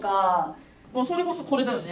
もうそれこそこれだよね